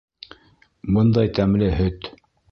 Бындай тәмле һөт.